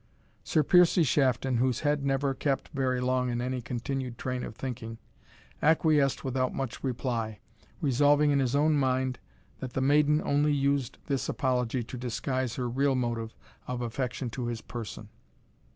Sir Piercie Shafton, whose head never kept very long in any continued train of thinking, acquiesced without much reply, resolving in his own mind that the maiden only used this apology to disguise her real motive, of affection to his person.